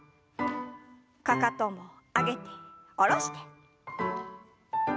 かかとも上げて下ろして。